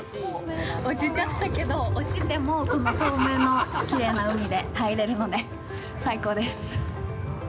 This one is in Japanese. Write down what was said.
落ちちゃったけど、落ちてもこの透明のきれいな海に入れるので、最高です。